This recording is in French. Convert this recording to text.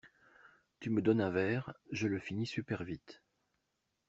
Tu me donnes un verre, je le finis super vite.